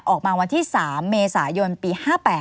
วันที่๓เมษายนปี๕๘